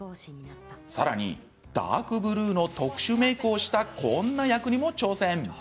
さらに、ダークブルーの特殊メークをしたこんな役にも挑戦。